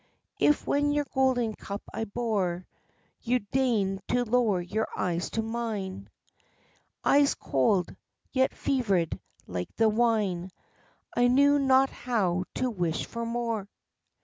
If, when your golden cup I bore, you deigned to lower your eyes to mine, Eyes cold, yet fervid, like the wine, I knew not how to wish for more.